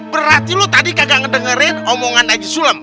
berarti lo tadi kagak ngedengerin omongan najisulam